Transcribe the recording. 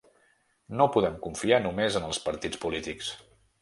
No podem confiar només en els partits polítics.